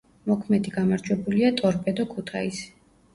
მოქმედი გამარჯვებულია „ტორპედო ქუთაისი“.